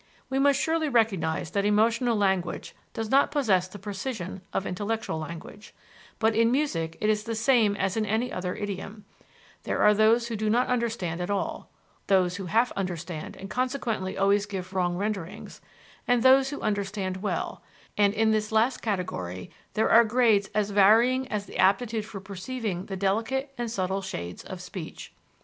We must surely recognize that emotional language does not possess the precision of intellectual language; but in music it is the same as in any other idiom: there are those who do not understand at all; those who half understand and consequently always give wrong renderings; and those who understand well and in this last category there are grades as varying as the aptitude for perceiving the delicate and subtle shades of speech.